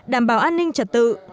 đảm bảo an ninh trật tự